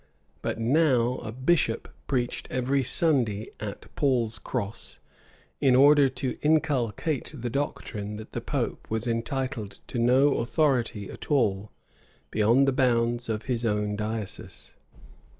But now a bishop preached every Sunday at Paul's Cross, in order to inculcate the doctrine that the pope was entitled to no authority at all beyond the bounds of his own diocese.